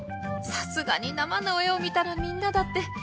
さすがに生の絵を見たらみんなだって！